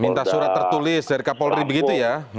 minta surat tertulis dari kapolri begitu ya